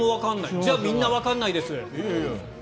じゃあ、みんなわからないです。